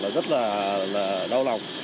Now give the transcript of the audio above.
rất là đau lòng